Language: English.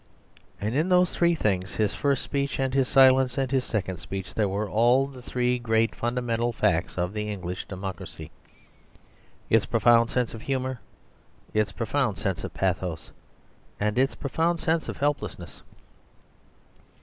And in those three things, his first speech and his silence and his second speech, there were all the three great fundamental facts of the English democracy, its profound sense of humour, its profound sense of pathos, and its profound sense of helplessness.